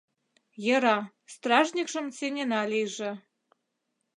Йӧра, стражньыкшым сеҥена лийже...